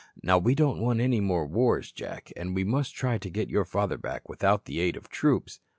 Now we don't want any more wars, Jack, and we must try to get your father back without the aid of troops."